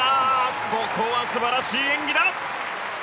ここは素晴らしい演技だ！